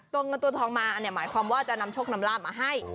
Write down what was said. เงินตัวทองมาอันนี้หมายความว่าจะนำโชคนำลาบมาให้